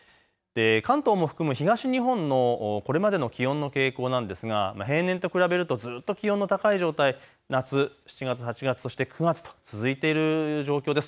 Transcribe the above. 関東も含む東日本のこれまでの気温の傾向なんですが平年と比べるとずっと気温の高い状態、夏、７月、８月、９月と続いている状況です。